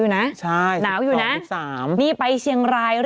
เนี่ยเบิ่นเนี่ยเนาะ